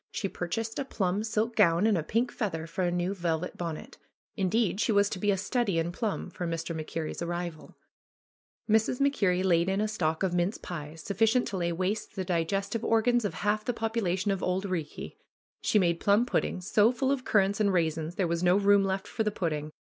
She purchased a plum silk gown and a pink feather for a new velvet bonnet. In deed she was to be a study in plum for Mr. MacKerrie'a arrival. Mrs. MacKerrie laid in a stock of mince pies, suffi cient to lay waste the digestive organs of half the popu lation of Auld Eeekie. She made plum puddings, so full of currants and raisins, there was no room left for the pudding.